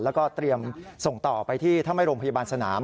แล้วก็เตรียมส่งต่อไปที่ถ้าไม่โรงพยาบาลสนาม